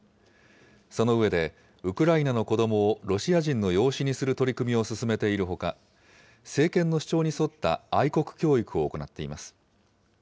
その上で、ウクライナの子どもをロシア人の養子にする取り組みを進めているほか、政権の主張に沿った愛国教育を行っています。